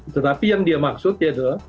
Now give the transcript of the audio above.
tetapi yang dia maksud ya adalah